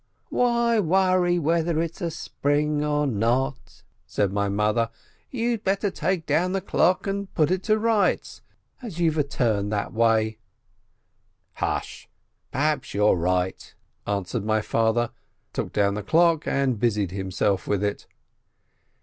"Why worry whether it's a spring or not?" said my mother. "You'd better take down the clock and put it to rights, as you've a turn that waj." "Hush, perhaps you're right," answered my father, took down the clock and busied himself with it.